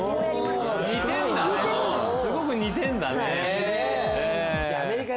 すごく似てるんだね。